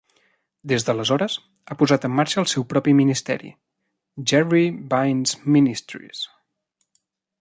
Des d'aleshores ha posat en marxa el seu propi ministeri, Jerry Vines Ministries.